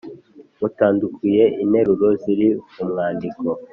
mutandukuye interuro ziri mu mwandiko.